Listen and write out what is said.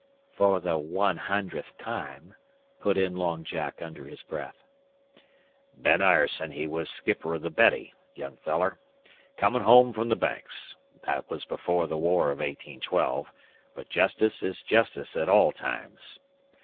"For the wan hundredth time," put in Long Jack under his breath "Ben Ireson he was skipper o' the Betty, young feller, comin' home frum the Banks that was before the war of 1812, but jestice is jestice at all times.